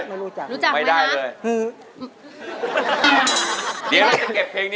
รู้จักมั้ยครับ